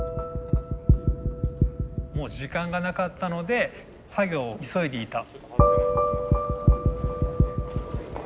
もう時間がなかったので作業を急いでいた。